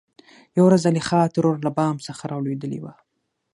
يوه ورځ زليخا ترور له بام څخه رالوېدلې وه .